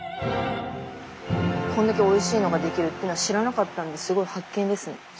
こんだけおいしいのが出来るってのは知らなかったんですごい発見ですね。